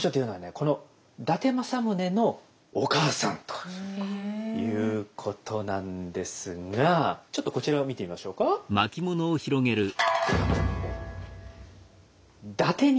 この伊達政宗のお母さんということなんですがちょっとこちらを見てみましょうか。ということなんです。